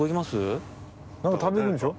何か食べるんでしょ？